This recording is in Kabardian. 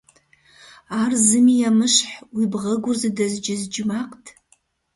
Ар зыми емыщхь, уи бгъэгур зыдэзджыздж макът.